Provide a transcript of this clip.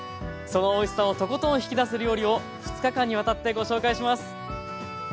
そのおいしさをとことん引き出す料理を２日間にわたってご紹介します。